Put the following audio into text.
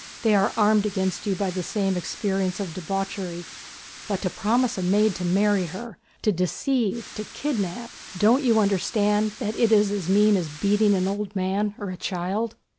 They are armed against you by the same experience of debauchery; but to promise a maid to marry her... to deceive, to kidnap.... Don't you understand that it is as mean as beating an old man or a child?..."